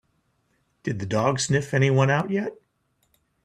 Did the dog sniff anyone out yet?